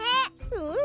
うん！